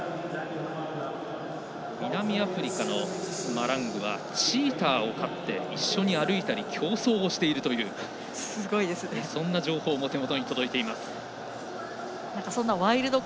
南アフリカのマラングはチーターを飼って一緒に歩いたり競争をしているというそんな情報も手元に届いています。